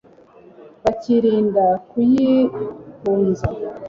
Bakirinda kuyihunza